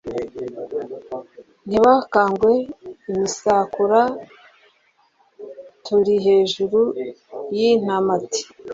Ntibakangwe imisakura tuli hejuru y'intamati.